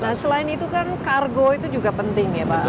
nah selain itu kan kargo itu juga penting ya pak